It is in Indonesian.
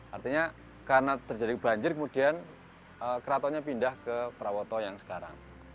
artinya karena terjadi banjir kemudian keratonnya pindah ke prawoto yang sekarang